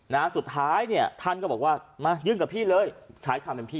นะสุดท้ายเนี่ยท่านก็บอกว่ามายื่นกับพี่เลยใช้คำเป็นพี่